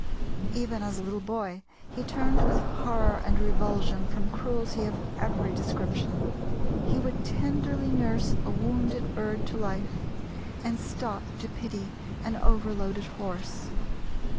Even as a little boy he turned with horror and revulsion from cruelty of every description: he would tenderly nurse a wounded bird to life, and stop to pity an overloaded horse.